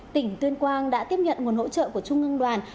tỉnh tuyên quang đã tiếp nhận nguồn hỗ trợ của trung ương đoàn